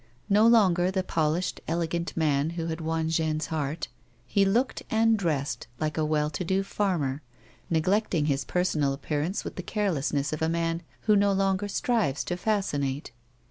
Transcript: No longer the polished, elegant man who had won Jeanne's heart, he looked and dressed like a ■well to do farmer, neglecting his personal appearance with the carelessness of a man who no longer strives to fascinate.